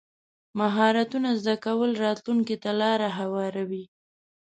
مهارتونه زده کول راتلونکي ته لار هواروي.